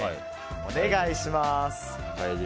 お願いします。